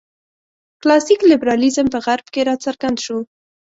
کلاسیک لېبرالېزم په غرب کې راڅرګند شو.